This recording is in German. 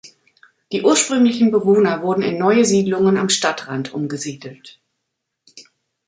Die ursprünglichen Bewohner wurden in neue Siedlungen am Stadtrand umgesiedelt.